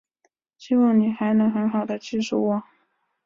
希望你还能很好地记住我。